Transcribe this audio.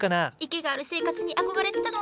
池がある生活に憧れてたの。